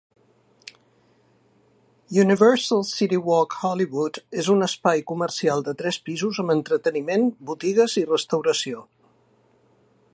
Universal CityWalk Hollywood és un espai comercial de tres pisos amb entreteniment, botigues i restauració.